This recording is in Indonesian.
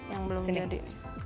yang belum jadi